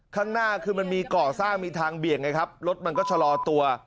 ข้างหน้าคือมันมีก่อสร้างมีทางเบี่ยงไงครับรถมันก็ชะลอตัว